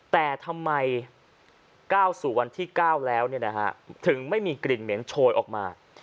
แต่ทำไมก้าวสู่วันที่๙แล้วถึงไม่มีกลิ่นเหม็นโชยออกมา